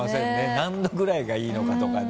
何℃ぐらいがいいのかとかね。